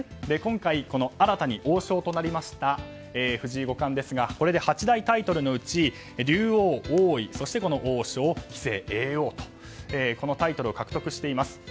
今回、新たに王将となりました藤井五冠ですがこれで八大タイトルのうち竜王、王位そしてこの王将、棋聖、叡王とこのタイトルを獲得しています。